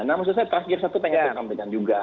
nah maksud saya terakhir satu tanya tanya juga